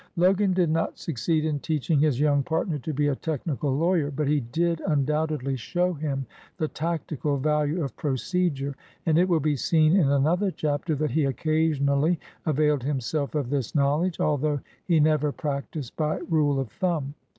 Logan did not succeed in teaching his young partner to be a technical lawyer, but he did undoubtedly show him the tactical value of pro cedure, and it will be seen in another chapter that he occasionally availed himself of this knowl edge, although he never practised by rule of thumb.